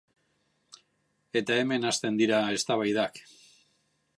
Eta hemen hasten ohi dira eztabaidak.